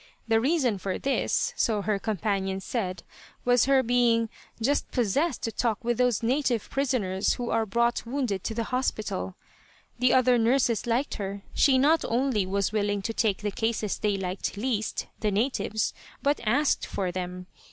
The reason for this, so her companions said, was her being "just possessed to talk with those native prisoners who are brought wounded to the hospital." The other nurses liked her. She not only was willing to take the cases they liked least the natives but asked for them.